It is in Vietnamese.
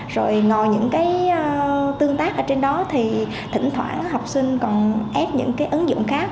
rồi ngồi những cái tương tác ở trên đó thì thỉnh thoảng học sinh còn ép những cái ứng dụng khác